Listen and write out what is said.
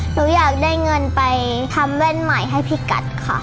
หนูอยากได้เงินไปทำแว่นใหม่ให้พี่กัดค่ะ